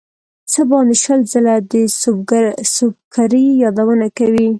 څه باندې شل ځله د سُبکري یادونه کوي.